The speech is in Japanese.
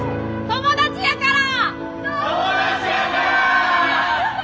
友達やから！